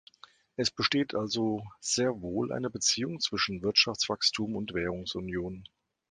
Es besteht also sehr wohl eine Beziehung zwischen Wirtschaftswachstum und Währungsunion.